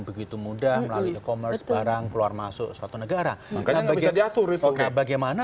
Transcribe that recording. begitu mudah melalui e commerce barang keluar masuk suatu negara maka bisa diatur itu nah bagaimana